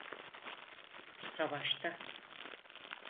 Savaşta.